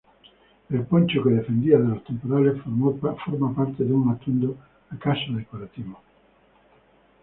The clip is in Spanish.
El poncho que defendía de los temporales forma parte de un atuendo acaso decorativo.